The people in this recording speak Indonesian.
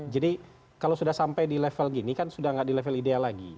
jadi kalau sudah sampai di level gini kan sudah gak di level ideal lagi